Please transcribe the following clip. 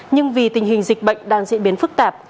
nhưng vì tình hình dịch bệnh đang diễn biến phức tạp